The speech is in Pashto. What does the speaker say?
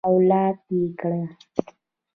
او لاک ئې کړي